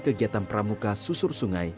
kegiatan pramuka susur sungai